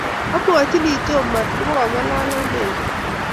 amwachini tom matkotimongalal ak mary